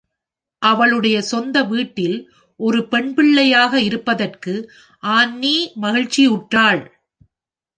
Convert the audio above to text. அவளுடைய சொந்த வீட்டில் ஒரு பெண்பிள்ளையாக இருப்பதற்கு ஆன்னி மகிழ்ச்சியுற்றாள்.